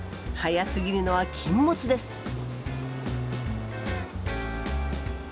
早すぎるのは禁物です。